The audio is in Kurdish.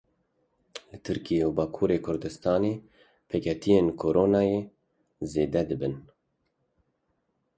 Li Tirkiye û Bakurê Kurdistanê pêketiyên Koronayê zêde dibin.